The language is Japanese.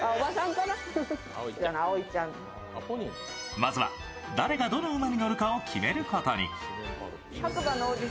まずは誰がどの馬に乗るかを決めることに。